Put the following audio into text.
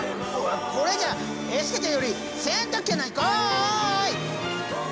これじゃエステというより洗濯機やないかい！